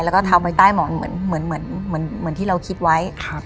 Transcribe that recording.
แล้วก็ทำไว้ใต้หมอนเหมือนที่เราคิดไว้